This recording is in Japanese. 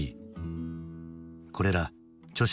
これら著者